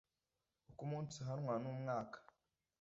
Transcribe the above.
uko umunsi uhwana n umwaka